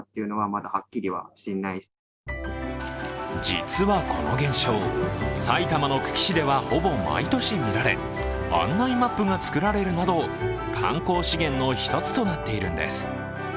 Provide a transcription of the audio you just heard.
実はこの現象、埼玉県の久喜市ではほぼ毎年見られ、案内マップが作られるなど観光資源の一つとなっているんです。